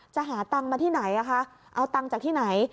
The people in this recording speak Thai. หาตังค์มาที่ไหนเอาตังค์จากที่ไหน